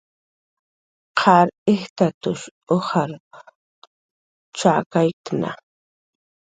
Qar ijtatush ujar chakyatna